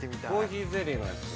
◆コーヒーゼリーのやつも。